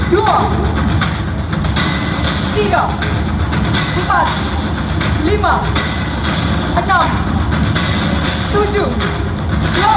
beri tembok tangan yang meriah